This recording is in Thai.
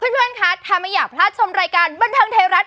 เพื่อนคะถ้าไม่อยากพลาดชมรายการบันเทิงไทยรัฐ